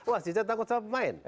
wasitnya takut sama pemain